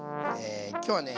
今日はね